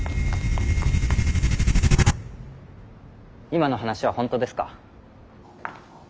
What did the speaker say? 今の話は本当ですか？